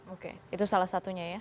oke itu salah satunya ya